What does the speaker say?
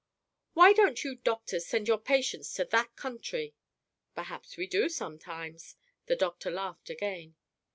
"Why don't you doctors send your patients to that country?" "Perhaps we do sometimes!" The doctor laughed again.